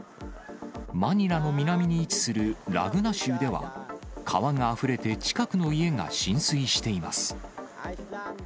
マニラの南に位置するラグナ州では、川があふれて近くの家が浸水しています。